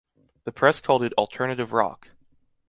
The press called it “Alternative rock”.